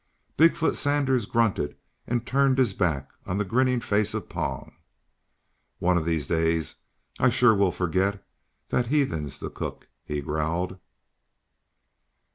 Big foot Sanders grunted and turned his back on the grinning face of Pong. "One of these days I sure will forget that heathen's the cook," he growled.